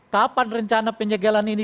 kapan rencana penyegelan ini